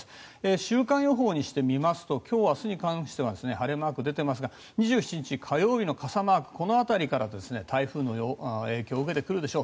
週間予報にしてみますと今日、明日に関しては晴れマークが出ていますが２７日火曜日の傘マーク辺りから台風の影響を受けてくるでしょう。